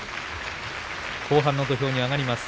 後半の土俵に上がります。